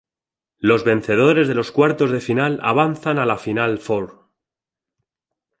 Los vencedores de los Cuartos de final avanzan a la Final Four.